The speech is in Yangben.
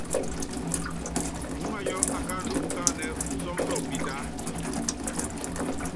Muúŋayú akáandú ukáánɛ usɔ́ɔ́nsɔ pitaá.